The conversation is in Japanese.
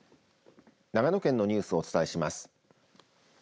長野県のニュースをお伝えします。